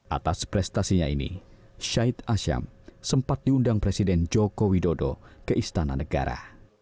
atas prestasinya ini syahid asyam sempat diundang presiden joko widodo ke istana negara